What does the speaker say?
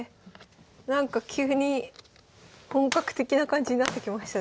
なんか急に本格的な感じになってきましたね。